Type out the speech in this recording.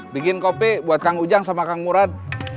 bikin kopi buat kang ujang sama kang murad